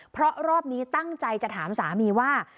เพราะรอบนี้ตั้งใจจะถามสามีว่า